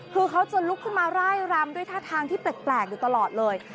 คือเขาจะลุกขึ้นมาร่ายรำด้วยท่าทางที่แปลกอยู่ตลอดเลย